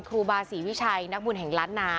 ครูบาศรีวิชัยนักบุญแห่งล้านนา